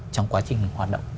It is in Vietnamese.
trong quá trình hoạt động